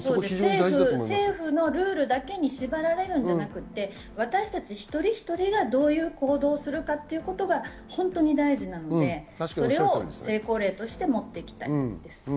政府のルールだけに縛られるのではなくて、私たち一人一人がどういう行動をするかということが本当に大事なので、それを成功例として持って行きたいです。